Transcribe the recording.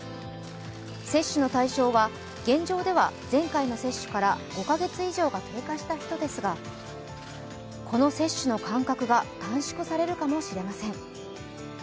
接種の対象は現状では前回の接種から５か月以上が経過した人ですがこの接種の間隔が短縮されるかもしれません。